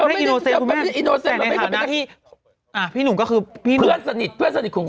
ไม่คุณแม่แต่ในฐาณที่อ่าพี่หนุ่มก็คือพี่เพื่อนสนิทเพื่อน